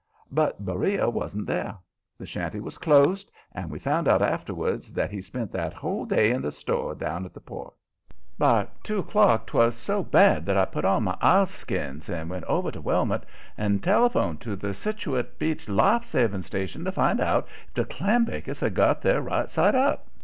But Beriah wasn't there. The shanty was closed, and we found out afterwards that he spent that whole day in the store down at the Port. By two o'clock 'twas so bad that I put on my ileskins and went over to Wellmouth and telephoned to the Setuckit Beach life saving station to find out if the clambakers had got there right side up.